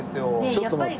ちょっと待って。